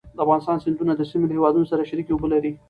د افغانستان سیندونه د سیمې له هېوادونو سره شریکې اوبه لري.